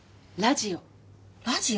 ラジオ。